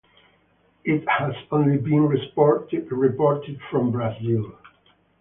It has only been reported from Brazil.